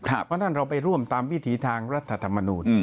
เพราะฉะนั้นเราไปร่วมตามวิถีทางรัฐธรรมนูล